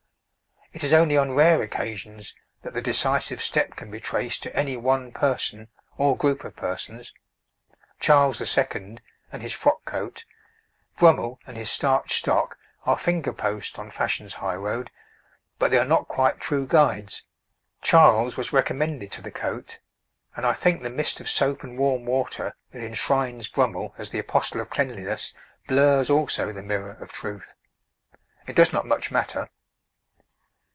It is only on rare occasions that the decisive step can be traced to any one person or group of persons: Charles II. and his frock coat, Brummell and his starched stock, are finger posts on Fashion's highroad, but they are not quite true guides. Charles was recommended to the coat, and I think the mist of soap and warm water that enshrines Brummell as the Apostle of Cleanliness blurs also the mirror of truth. It does not much matter.